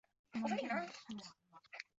巨果槭为槭树科槭属下的一个种。